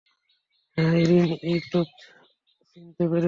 হ্যাঁ, ইরিন, এইতো চিনতে পেরেছ।